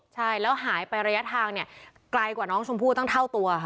ใช่แล้วหายไประยะทางเนี่ยไกลกว่าน้องชมพู่ตั้งเท่าตัวค่ะ